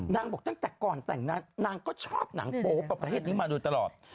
นางบอกว่าตั้งแต่ก่อนแต่งนั้นนางก็ชอบหนังโปประเภทนี้มาดูตลอด